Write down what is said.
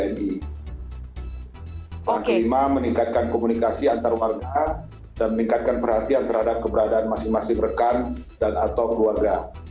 yang kelima meningkatkan komunikasi antar warga dan meningkatkan perhatian terhadap keberadaan masing masing rekan dan atau keluarga